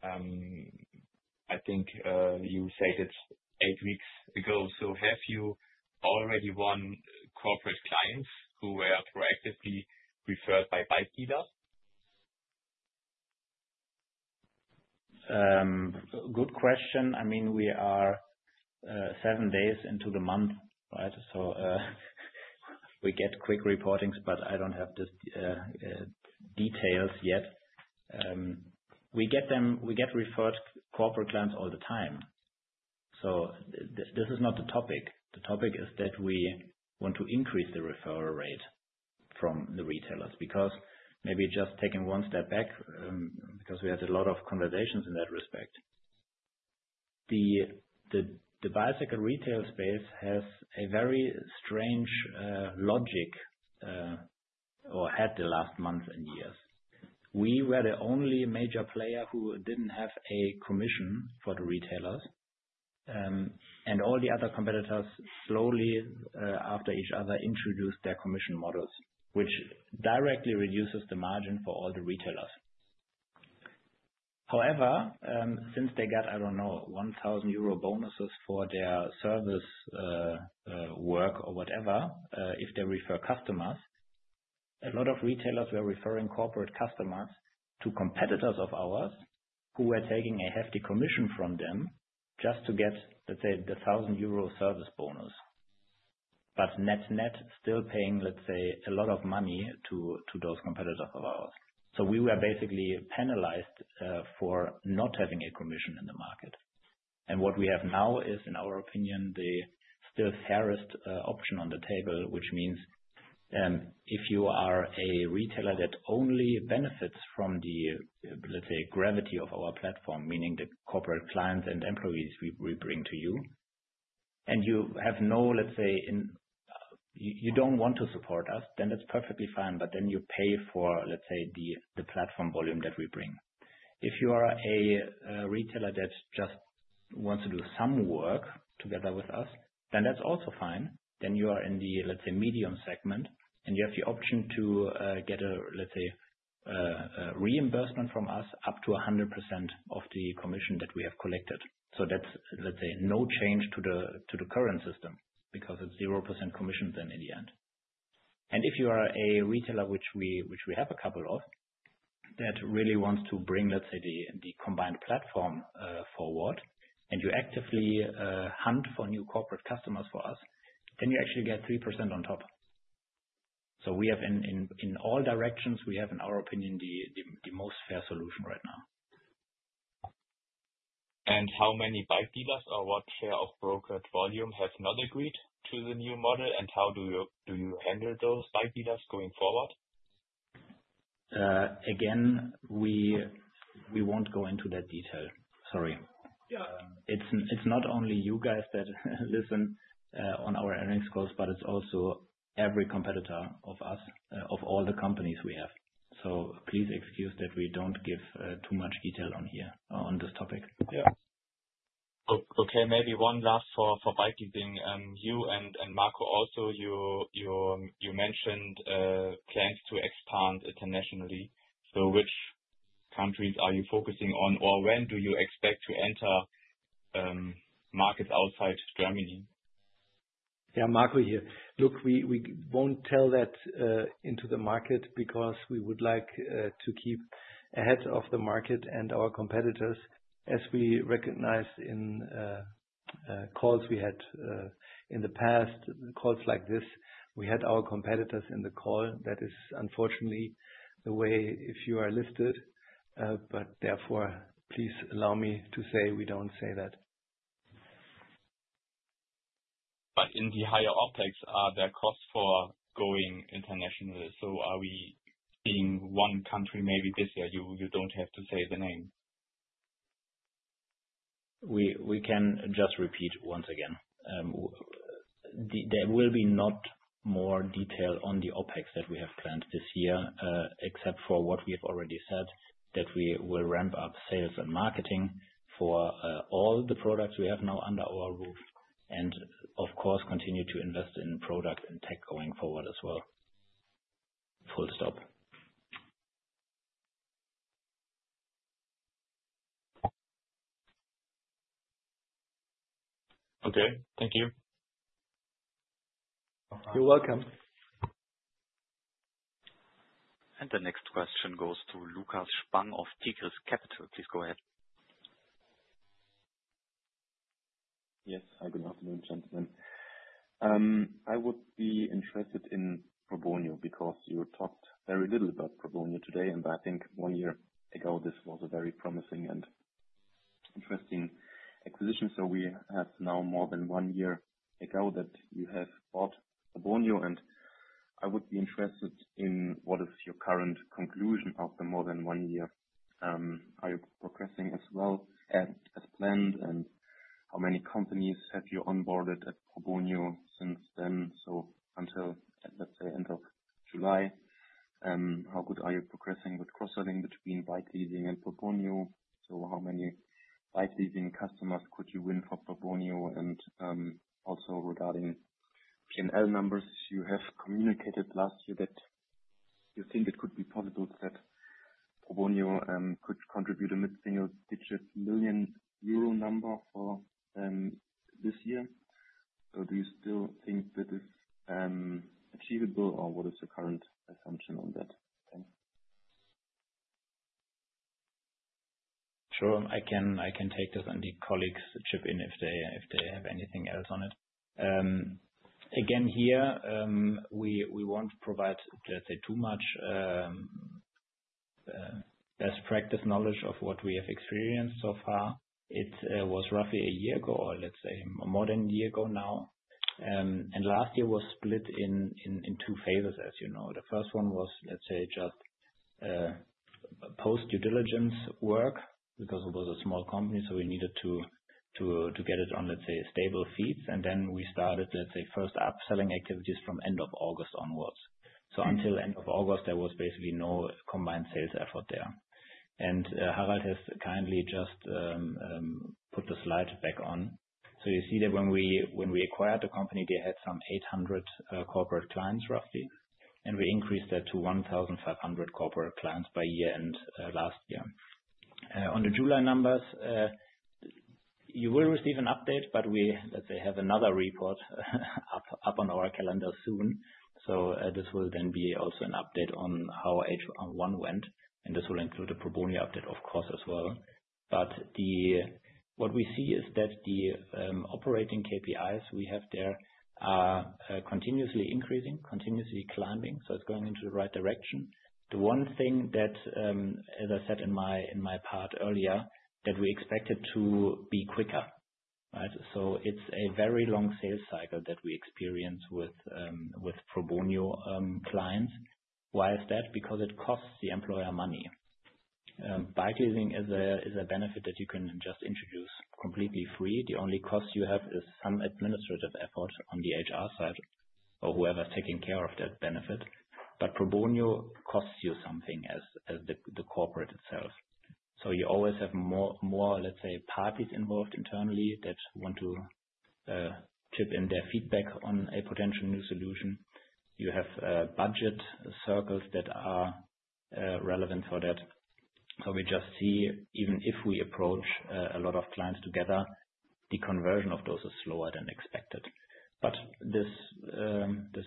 I think you said it's eight weeks ago. Have you already won corporate clients who were aggressively referred by bike dealers? Good question. I mean, we are seven days into the month, right? We get quick reportings, but I don't have the details yet. We get them, we get referred corporate clients all the time. This is not the topic. The topic is that we want to increase the referral rate from the retailers because maybe just taking one step back, we had a lot of conversations in that respect. The bicycle retail space has a very strange logic over the last months and years. We were the only major player who didn't have a commission for the retailers. All the other competitors slowly, after each other, introduced their commission models, which directly reduces the margin for all the retailers. However, since they got, I don't know, €1,000 bonuses for their service work or whatever, if they refer customers, a lot of retailers were referring corporate customers to competitors of ours who were taking a hefty commission from them just to get, let's say, the €1,000 service bonus. Net-net, still paying, let's say, a lot of money to those competitors of ours. We were basically penalized for not having a commission in the market. What we have now is, in our opinion, the still fairest option on the table, which means if you are a retailer that only benefits from the, let's say, gravity of our platform, meaning the corporate clients and employees we bring to you, and you have no, let's say, you don't want to support us, then that's perfectly fine. Then you pay for, let's say, the platform volume that we bring. If you are a retailer that just wants to do some work together with us, that's also fine. You are in the, let's say, medium segment, and you have the option to get a, let's say, reimbursement from us up to 100% of the commission that we have collected. That's, let's say, no change to the current system because it's 0% commission then in the end. If you are a retailer, which we have a couple of, that really wants to bring, let's say, the combined platform forward, and you actively hunt for new corporate customers for us, you actually get 3% on top. In all directions, we have, in our opinion, the most fair solution right now. How many bike dealers or what share of brokerage volume has not agreed to the new model, and how do you handle those bike dealers going forward? Again, we won't go into that detail. Sorry. It's not only you guys that listen on our earnings calls, but it's also every competitor of us, of all the companies we have. Please excuse that we don't give too much detail on here on this topic. Yeah. Okay, maybe one last for Bikeleasing. You and Marco also, you mentioned plans to expand internationally. Which countries are you focusing on, or when do you expect to enter markets outside Germany? Yeah, Marco here. Look, we won't tell that into the market because we would like to keep ahead of the market and our competitors. As we recognize in calls we had in the past, calls like this, we had our competitors in the call. That is, unfortunately, the way if you are listed. Therefore, please allow me to say we don't say that. In the higher OpEx, are there costs for going internationally? Are we being one country maybe this year? You don't have to say the name. We can just repeat once again. There will be no more detail on the OpEx that we have planned this year, except for what we have already said, that we will ramp up sales and marketing for all the products we have now under our roof and, of course, continue to invest in products and tech going forward as well. Full stop. Okay, thank you. You're welcome. The next question goes to Lukas Spang of Tigris Capital. Please go ahead. Yes, hi, good afternoon, gentlemen. I would be interested in Probonio because you talked very little about Probonio today, and I think one year ago, this was a very promising and interesting acquisition. We have now more than one year ago that you have bought Probonio, and I would be interested in what is your current conclusion after more than one year. Are you progressing as well as planned, and how many companies have you onboarded at Probonio since then? Until, let's say, end of July, how good are you progressing with cross-selling between Bikeleasing and Probonio? How many Bikeleasing customers could you win for Probonio? Also, regarding P&L numbers, you have communicated last year that you think it could be possible that Probonio could contribute a mid-single-digit million euro number for this year. Do you still think that is achievable, or what is the current assumption on that? Sure. I can take this and the colleagues chip in if they have anything else on it. Again, we won't provide, let's say, too much best practice knowledge of what we have experienced so far. It was roughly a year ago, or let's say more than a year ago now. Last year was split in two phases, as you know. The first one was, let's say, just post-due diligence work because it was a small company, so we needed to get it on, let's say, stable feet. Then we started, let's say, first upselling activities from end of August onwards. Until end of August, there was basically no combined sales effort there. Harald has kindly just put the slide back on. You see that when we acquired the company, they had some 800 corporate clients, roughly. We increased that to 1,500 corporate clients by year end last year. On the July numbers, you will receive an update, but we, let's say, have another report up on our calendar soon. This will then be also an update on how H1 went. This will include the Probonio update, of course, as well. What we see is that the operating KPIs we have there are continuously increasing, continuously climbing. It's going into the right direction. The one thing that, as I said in my part earlier, that we expected to be quicker, right? It's a very long sales cycle that we experience with Probonio clients. Why is that? Because it costs the employer money. Bike leasing is a benefit that you can just introduce completely free. The only cost you have is some administrative effort on the HR side or whoever is taking care of that benefit. Probonio costs you something as the corporate itself. You always have more, let's say, parties involved internally that want to chip in their feedback on a potential new solution. You have budget circles that are relevant for that. We just see, even if we approach a lot of clients together, the conversion of those is slower than expected. This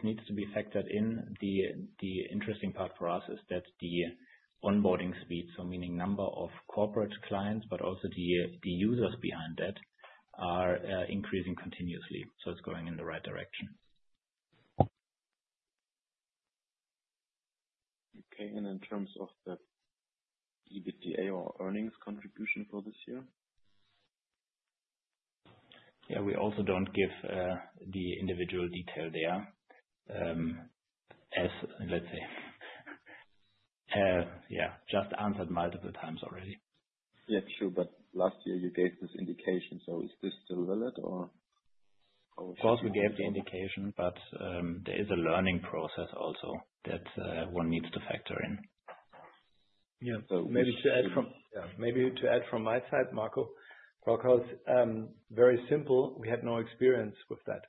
needs to be factored in. The interesting part for us is that the onboarding speed, so meaning number of corporate clients, but also the users behind that, are increasing continuously. It's going in the right direction. Okay, and in terms of the EBITDA or earnings contribution for this year? Yeah, we also don't give the individual detail there, as let's say, yeah, just answered multiple times already. Yeah, sure, but last year you gave this indication. Is this still valid or? Of course, we gave the indication, but there is a learning process also that one needs to factor in. Maybe to add from my side, Marco, it's very simple. We had no experience with that.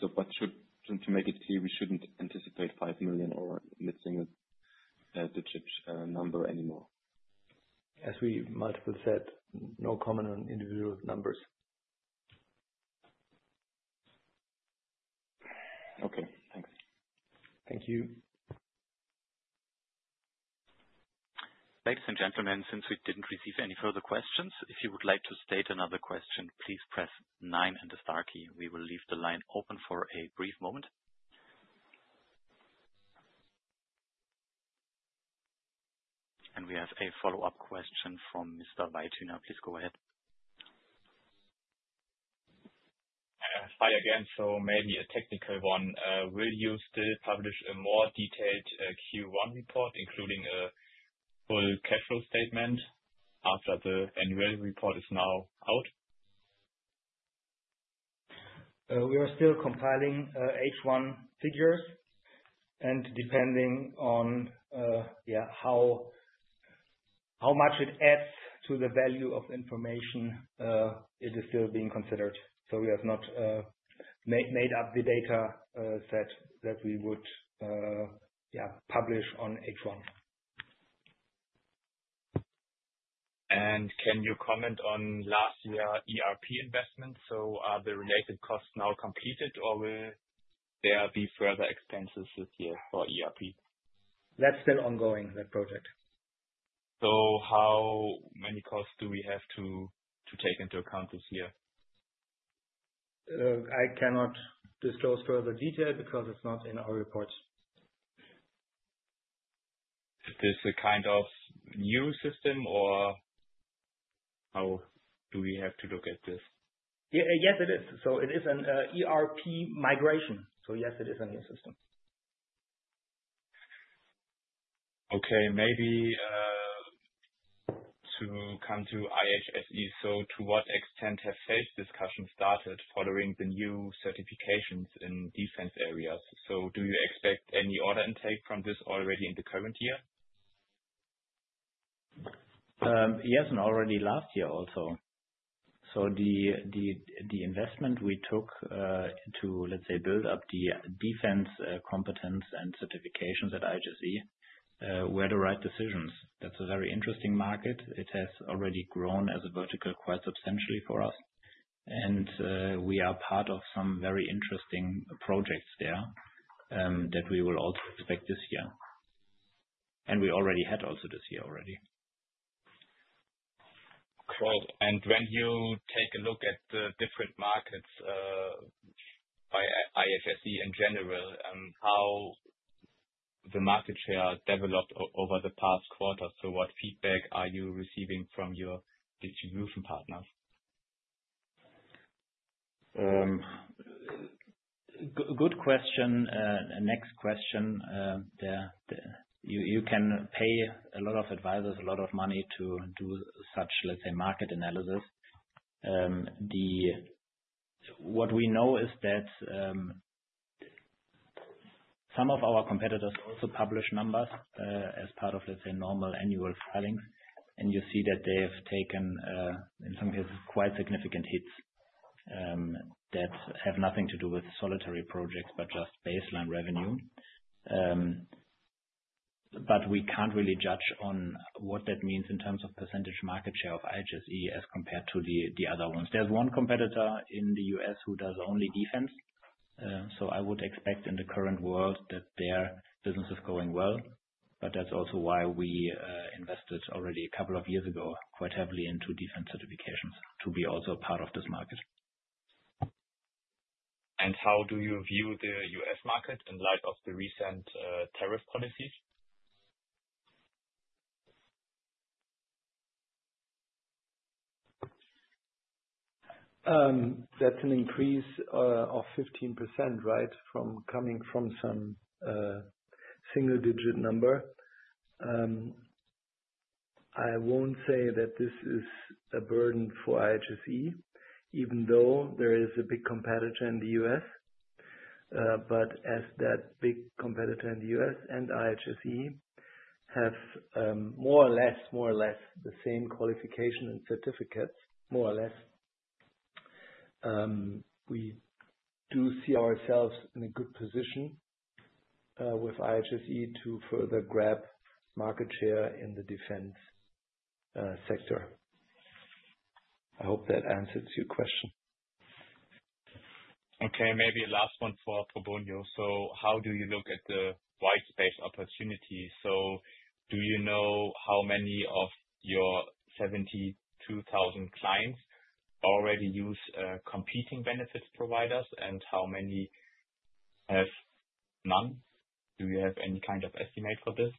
To make it clear, we shouldn't anticipate €5 million or lifting the chip number anymore. As we multiple said, no comment on individual numbers. Thank you. Ladies and gentlemen, since we didn't receive any further questions, if you would like to state another question, please press nine and the star key. We will leave the line open for a brief moment. We have a follow-up question from Mr. Weithhuner. Please go ahead. Hi again. Maybe a technical one. Will you still publish a more detailed Q1 report, including a full cash flow statement after the annual report is now out? We are still compiling H1 figures. Depending on how much it adds to the value of the information, it is still being considered. We have not made up the data set that we would publish on H1. Can you comment on last year ERP investments? Are the related costs now completed, or will there be further expenses this year for ERP? That's still ongoing, that project. How many costs do we have to take into account this year? I cannot disclose further detail because it's not in our report. Is this a kind of new system, or how do we have to look at this? Yes, it is. It is an ERP migration. Yes, it is a new system. Okay, maybe to come to IHSE. To what extent have sales discussions started following the new certifications in defense areas? Do you expect any order intake from this already in the current year? Yes, already last year also. The investment we took to, let's say, build up the defense competence and certifications at IHSE were the right decisions. That is a very interesting market. It has already grown as a vertical quite substantially for us. We are part of some very interesting projects there that we will also expect this year, and we already had also this year already. When you take a look at the different markets by IHSE in general, how the market share developed over the past quarter, what feedback are you receiving from your distribution partners? Good question. Next question. You can pay a lot of advisors a lot of money to do such, let's say, market analysis. What we know is that some of our competitors also publish numbers as part of, let's say, normal annual filings. You see that they have taken, in some cases, quite significant hits that have nothing to do with solitary projects, just baseline revenue. We can't really judge on what that means in terms of % market share of IHSE as compared to the other ones. There is one competitor in the U.S. who does only defense. I would expect in the current world that their business is going well. That is also why we invested already a couple of years ago quite heavily into defense certifications to be also part of this market. How do you view the U.S. market in light of the recent tariff policies? That's an increase of 15%, right, coming from some single-digit number. I won't say that this is a burden for IHSE, even though there is a big competitor in the U.S. As that big competitor in the U.S. and IHSE have more or less the same qualification and certificates, more or less, we do see ourselves in a good position with IHSE to further grab market share in the defense sector. I hope that answers your question. Okay, maybe a last one for Probonio. How do you look at the white space opportunities? Do you know how many of your 72,000 clients already use competing benefits providers and how many have none? Do you have any kind of estimate for this?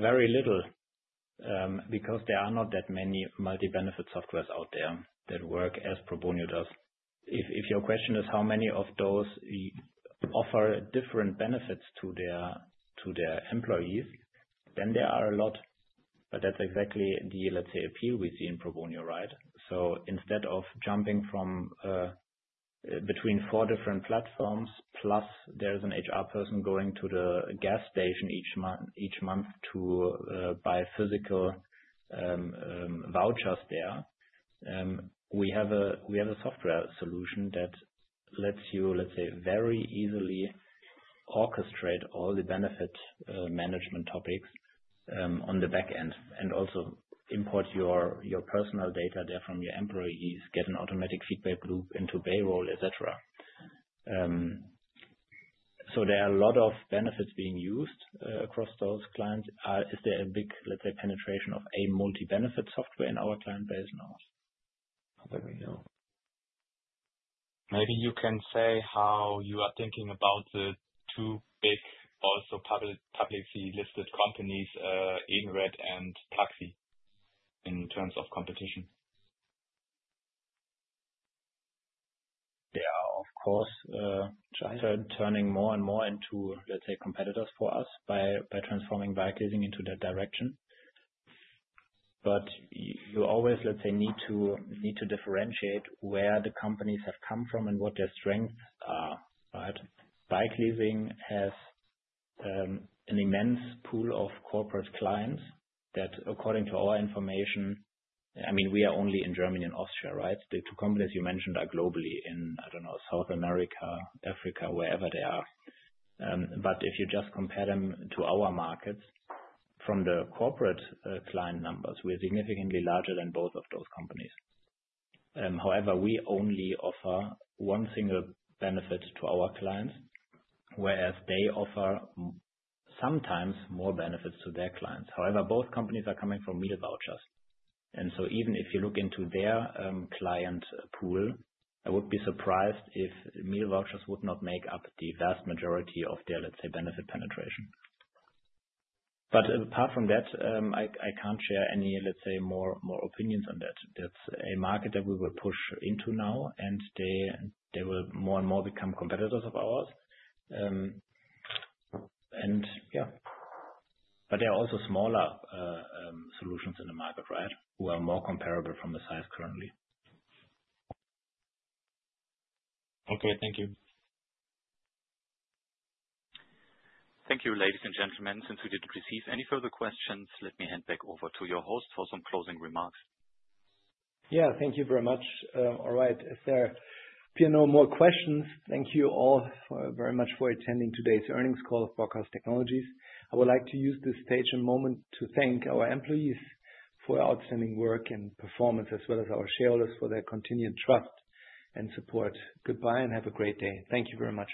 Very little, because there are not that many multi-benefit softwares out there that work as Probonio does. If your question is how many of those offer different benefits to their employees, then there are a lot. That's exactly the, let's say, appeal we see in Probonio, right? Instead of jumping between four different platforms, plus there is an HR person going to the gas station each month to buy physical vouchers there, we have a software solution that lets you, let's say, very easily orchestrate all the benefit management topics on the backend and also import your personal data there from your employees, get an automatic feedback loop into payroll, etc. There are a lot of benefits being used across those clients. Is there a big, let's say, penetration of a multi-benefit software in ur client base now? Not that we know. Maybe you can say how you are thinking about the two big also publicly listed companies, Edenred and Pluxee, in terms of competition? Yeah, of course. Edenred is turning more and more into, let's say, competitors for us by transforming bike leasing into that direction. You always, let's say, need to differentiate where the companies have come from and what their strengths are, right? Bikeleasing has an immense pool of corporate clients that, according to our information, I mean, we are only in Germany and Austria, right? The two companies you mentioned are globally in, I don't know, South America, Africa, wherever they are. If you just compare them to our markets, from the corporate client numbers, we're significantly larger than both of those companies. However, we only offer one single benefit to our clients, whereas they offer sometimes more benefits to their clients. However, both companies are coming from meal vouchers. Even if you look into their client pool, I would be surprised if meal vouchers would not make up the vast majority of their, let's say, benefit penetration. Apart from that, I can't share any, let's say, more opinions on that. That's a market that we will push into now, and they will more and more become competitors of ours. There are also smaller solutions in the market, right, who are more comparable from a size currently. Okay, thank you. Thank you, ladies and gentlemen. Since we didn't receive any further questions, let me hand back over to your host for some closing remarks. Yeah, thank you very much. All right, if there are no more questions, thank you all very much for attending today's earnings call of Brockhaus Technologies AG. I would like to use this stage and moment to thank our employees for outstanding work and performance, as well as our shareholders for their continued trust and support. Goodbye and have a great day. Thank you very much.